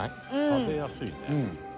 食べやすいね。